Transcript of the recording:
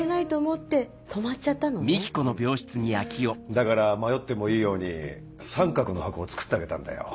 だから迷ってもいいように三角の箱を作ってあげたんだよ。